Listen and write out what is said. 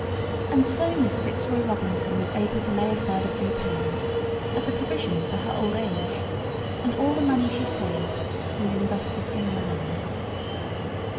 And so Miss Fitzroy Robinson was able to lay aside a few pounds as a provision for her old age. And all the money she saved was invested in land.